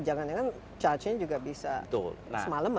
jangan ya kan charge nya juga bisa semalam